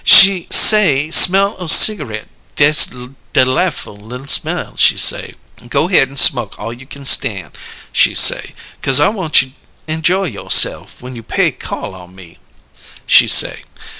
She say: 'Smell o' cigareet dess deligh'ful li'l smell,' she say. 'Go 'head an' smoke all you kin stan',' she say, ''cause I want you injoy you'se'f when you pay call on me,' she say.